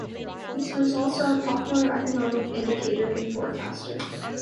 Its results are a popular economic indicator and forecaster.